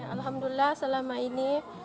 alhamdulillah selama ini